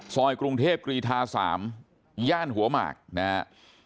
ซอยกรุงเทพกรีธา๓ย่านหัวหมากนะครับ